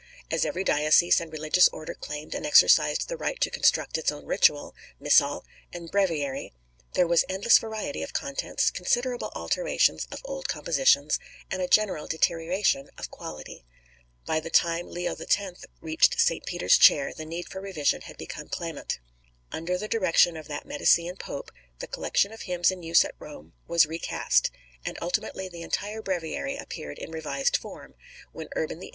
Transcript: As every diocese and religious order claimed and exercised the right to construct its own ritual, Missal, and Breviary, there was endless variety of contents, considerable alterations of old compositions, and a general deterioration of quality. By the time Leo X. reached St. Peter's chair the need for revision had become clamant. Under the direction of that Medicean Pope, the collection of hymns in use at Rome was recast; and ultimately the entire Breviary appeared in revised form, when Urban VIII.